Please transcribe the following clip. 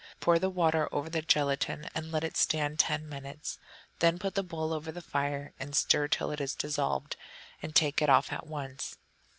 Pour the water over the gelatine and let it stand ten minutes; then put the bowl over the fire and stir till it is dissolved, and take it off at once.